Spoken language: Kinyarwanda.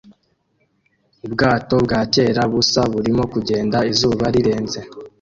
Ubwato bwa kera busa burimo kugenda izuba rirenze